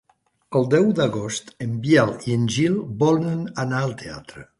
El deu d'agost en Biel i en Gil volen anar al teatre.